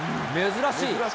珍しい。